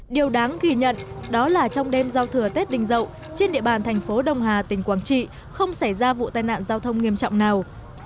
điều đáng ghi nhận đó là trong đêm giao thừa tết đình dậu trên địa bàn thành phố đông hà tỉnh quảng trị không xảy ra vụ tai nạn giao thông nghiêm trọng nào